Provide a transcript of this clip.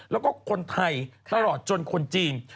แล้วก็คนไทยตลอดจนคนจีน